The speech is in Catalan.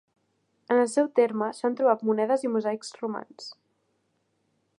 En el seu terme s'han trobat monedes i mosaics romans.